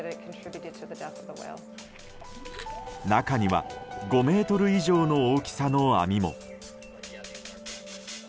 中には５ｍ以上の大きさの網も。